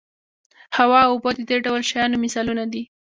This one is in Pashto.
هوا او اوبه د دې ډول شیانو مثالونه دي.